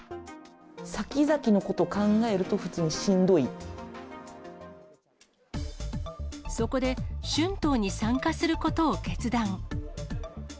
さきざきのことを考えると、そこで、春闘に参加することを決断。